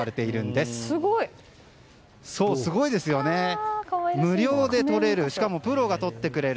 すごい！無料で撮れるしかもプロが撮ってくれる。